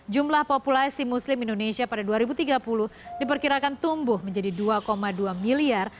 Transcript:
jumlah populasi muslim indonesia pada dua ribu tiga puluh diperkirakan tumbuh menjadi dua dua miliar